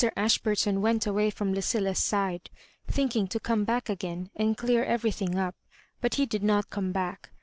Ashbtjbton went away from Lucilla^s side, thinking to come back again, and clear every thing up ; but he did not come back.